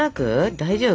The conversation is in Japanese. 大丈夫？